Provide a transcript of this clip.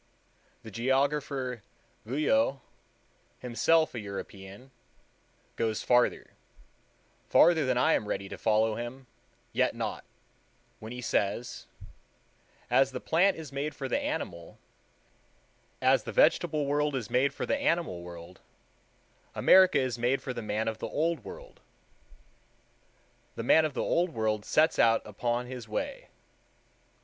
The geographer Guyot, himself a European, goes further—further than I am ready to follow him; yet not when he says: "As the plant is made for the animal, as the vegetable world is made for the animal world, America is made for the man of the Old World.... The man of the Old World sets out upon his way.